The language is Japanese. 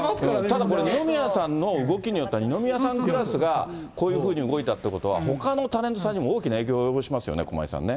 でもこれ、二宮さんの動きによっては、二宮さんクラスがこういうふうに動いたということは、ほかのタレントさんにも大きな影響を及ぼしますよね、駒井さんね。